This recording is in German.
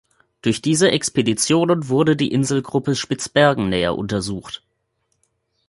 Durch diese Expeditionen wurde die Inselgruppe Spitzbergen näher untersucht.